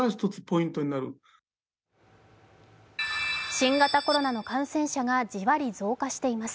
新型コロナの感染者が、じわり増加しています。